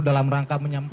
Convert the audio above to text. dalam rangka menyampaikan